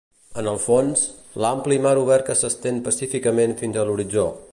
I en el fons, l'ampli mar obert que s'estén pacíficament fins a l'horitzó.